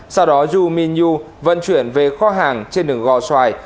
sau đó yu mingyu vận chuyển về kho hàng trên đường gò xoài